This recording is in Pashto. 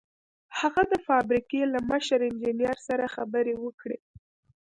هغه د فابریکې له مشر انجنیر سره خبرې وکړې